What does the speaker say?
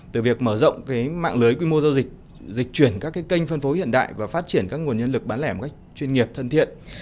từ việc mở rộng mạng lưới quy mô giao dịch dịch chuyển các kênh phân phối hiện đại và phát triển các nguồn nhân lực bán lẻ một cách chuyên nghiệp thân thiện